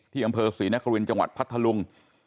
ที่ดมเมศรีนครุจังหวัดพัททะลุง